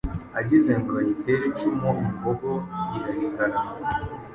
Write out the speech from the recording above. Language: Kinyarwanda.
agize ngo ayitere icumu imbogo irarigarama,